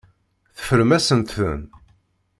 Teffrem-asent-ten.